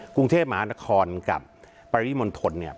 กรุงเทพมหานครกับปริมณฑลเนี่ย